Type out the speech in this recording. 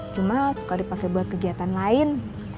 cuma suka dipakai buat kegiatan lain